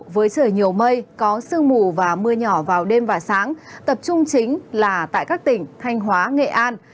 với trời nhiều mây có sương mù và mưa nhỏ vào đêm và sáng tập trung chính là tại các tỉnh thanh hóa nghệ an